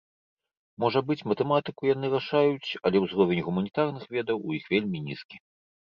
Можа быць, матэматыку яны рашаюць, але ўзровень гуманітарных ведаў у іх вельмі нізкі.